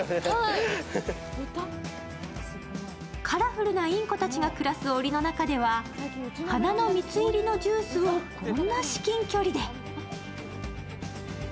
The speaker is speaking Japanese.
カラフルなインコたちが暮らすおりの中では花の蜜入りのジュースをこんな至近距離で。